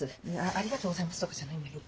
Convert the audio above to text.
「ありがとうございます」とかじゃないんだけど。